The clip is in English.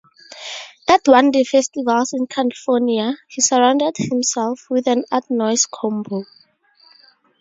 At one-day festivals in California, he surrounded himself with an artnoise combo.